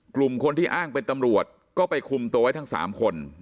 กลุ่มคนที่อ้างเป็นตำรวจก็ไปคุมตัวไว้ทั้ง๓คน